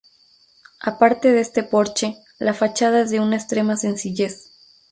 A parte de este porche, la fachada es de una extrema sencillez.